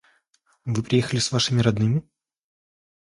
– Вы приехали с вашими родными?